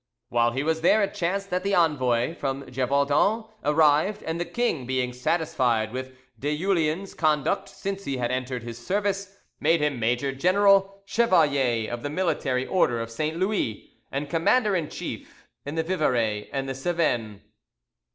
While he was there, it chanced that the envoy from Gevaudan arrived, and the king being satisfied with de Julien's conduct since he had entered his service, made him major general, chevalier of the military order of St. Louis; and commander in chief in the Vivarais and the Cevennes.